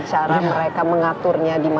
cara mereka mengaturnya dimana